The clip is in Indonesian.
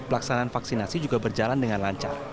pelaksanaan vaksinasi juga berjalan dengan lancar